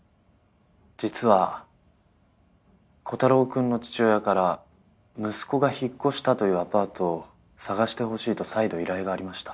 実はコタローくんの父親から「息子が引っ越したというアパートを捜してほしい」と再度依頼がありました。